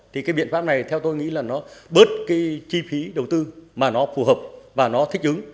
thì cái biện pháp này theo tôi nghĩ là nó bớt cái chi phí đầu tư mà nó phù hợp và nó thích ứng